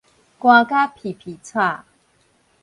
寒甲咇咇掣